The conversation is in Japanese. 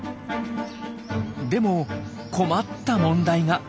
でも困った問題が。